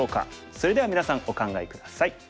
それではみなさんお考え下さい。